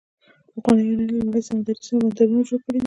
پخوانیو یونانیانو لومړني سمندري بندرونه جوړ کړي دي.